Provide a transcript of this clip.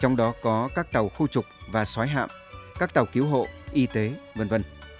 trong đó có các tàu khu trục và xoái hạm các tàu cứu hộ y tế v v